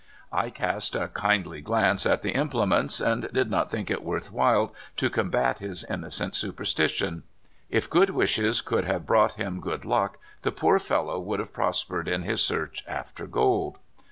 I cast a kindly glance at the implements, and did not think it worth while to combat his inno cent superstition. If good wishes could have brought him good luck, the poor fellow would have prospered in his search after gold.